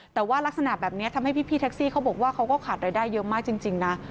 แต่ว่ารักษณะแบบนี้ทำให้พี่แท็กซี่เขาบอกว่าเขาก็ขาดรายได้เยอะมากจริงนะ